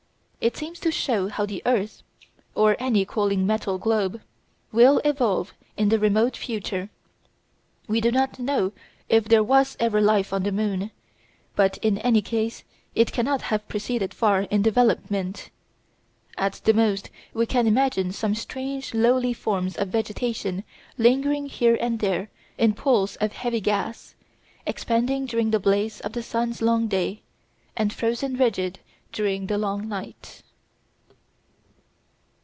It seems to show how the earth, or any cooling metal globe, will evolve in the remote future. We do not know if there was ever life on the moon, but in any case it cannot have proceeded far in development. At the most we can imagine some strange lowly forms of vegetation lingering here and there in pools of heavy gas, expanding during the blaze of the sun's long day, and frozen rigid during the long night.